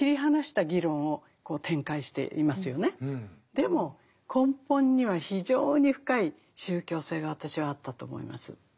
でも根本には非常に深い宗教性が私はあったと思います。